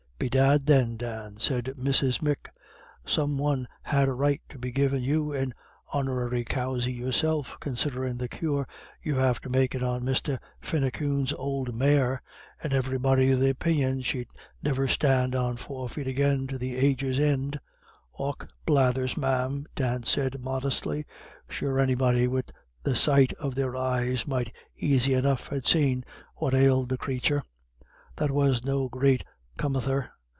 "Bedad then, Dan," said Mrs. Mick, "some one had a right to be givin' you an Honory causy yourself, considherin' the cure you're after makin' on Mr. Finucane's ould mare, and everybody of the opinion she'd never stand on four feet again to the ages' ind." "Och blathers, ma'am," Dan said, modestly, "sure anybody wid the sight of their eyes might aisy enough ha' seen what ailed the crathur. That was no great comether.